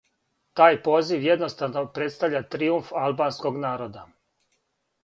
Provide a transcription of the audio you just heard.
Тај позив једноставно представља тријумф албанског народа.